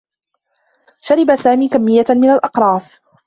شرب سامي كمّيّة من الأقراص.